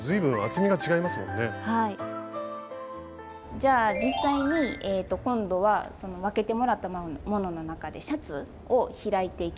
じゃあ実際に今度は分けてもらったものの中でシャツを開いていきます。